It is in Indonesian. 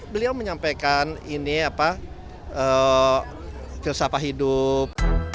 beliau menyampaikan ini apa filsafah hidup